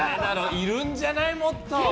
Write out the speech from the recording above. いるんじゃない、もっと。